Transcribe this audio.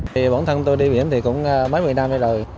thì bản thân tôi đi biển thì cũng mấy mươi năm đây rồi